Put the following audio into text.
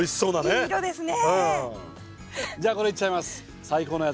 いいですね。